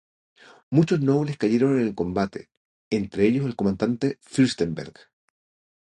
Muchos nobles cayeron en el combate, entre ellos el comandante Fürstenberg.